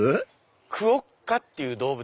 クオッカっていう動物。